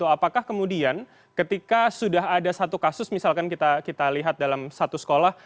apakah kemudian ketika sudah ada satu kasus misalkan kita lihat dalam satu sekolah